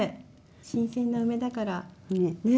新鮮な梅だから。ね！